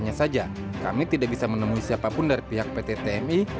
hanya saja kami tidak bisa menemui siapapun dari pihak pt tmi